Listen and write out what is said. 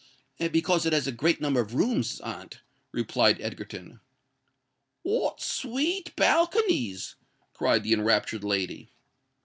"Because it has a great number of rooms, aunt," replied Egerton. "What sweet balconies!" cried the enraptured lady.